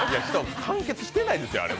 完結してないですよ、あれ、